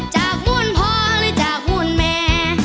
จากหุ้นพ่อหรือจากหุ้นแม่